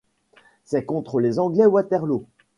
C’est contre les anglais Waterloo.